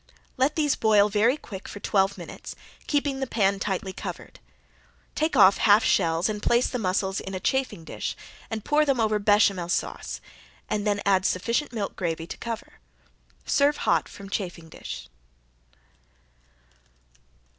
Let these boil very quick for twelve minutes, keeping the pan tightly covered. Take off half shells and place the mussels in a chafing dish and pour over them Bechamel sauce and then add sufficient milk gravy to cover. Serve hot from chafing dish.